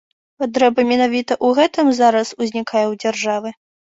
Патрэба менавіта ў гэтым зараз узнікае ў дзяржавы?